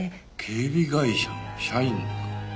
警備会社の社員か。